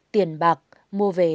tiền bạc mua về